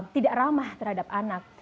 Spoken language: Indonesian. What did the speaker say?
tidak ramah terhadap anak